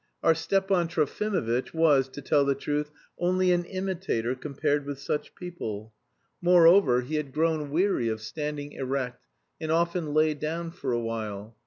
Our Stepan Trofimovitch was, to tell the truth, only an imitator compared with such people; moreover, he had grown weary of standing erect and often lay down for a while.